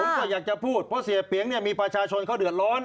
ผมก็อยากจะพูดเพราะเสียเปียงเนี่ยมีประชาชนเขาเดือดร้อน